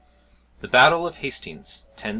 THE BATTLE OF HASTINGS, 1066.